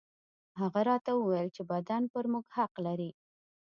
هغه راته وويل چې بدن پر موږ حق لري.